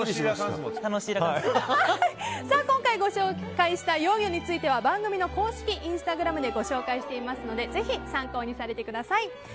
今回ご紹介した幼魚については番組の公式インスタグラムでご紹介していますのでぜひ参考にされてください。